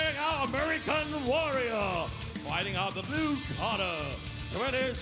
ทรมานแมนทรมานแมน